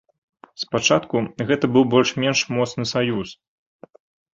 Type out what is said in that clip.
Спачатку гэта быў больш-менш моцны саюз.